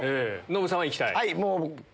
ノブさんは行きたい。